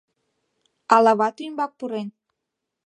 Ала вате ӱмбак пурен?